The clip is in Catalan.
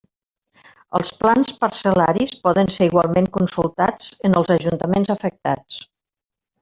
Els plans parcel·laris poden ser igualment consultats en els ajuntaments afectats.